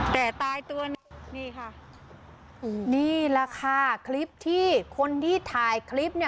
แต่ตายตัวนี้นี่ค่ะนี่แหละค่ะคลิปที่คนที่ถ่ายคลิปเนี่ย